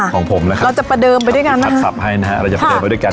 ของผมนะครับเราจะประเดิมไปด้วยกันนะครับสับให้นะฮะเราจะประเดิมไปด้วยกัน